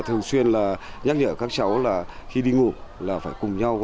thường xuyên nhắc nhở các trẻ học sinh khi đi ngủ là phải cùng nhau